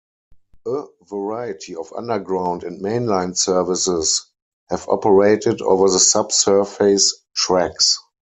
A variety of underground and main line services have operated over the sub-surface tracks.